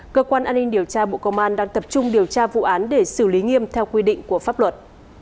cơ quan an ninh điều tra bộ công an đang tập trung điều tra vụ án để xử lý nghiêm theo quy định của pháp luật